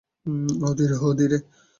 উহ, ধীরে।